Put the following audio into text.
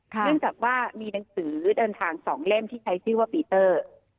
เนื่องจากว่ามีหนังสือเดินทาง๒เล่มที่ใช้ชื่อว่าปีเตอร์